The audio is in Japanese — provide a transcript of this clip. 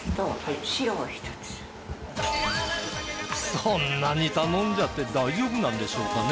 そんなに頼んじゃって大丈夫なんでしょうかね。